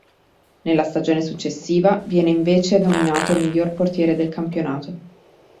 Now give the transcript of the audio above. Nella stagione successiva viene invece nominato miglior portiere del campionato.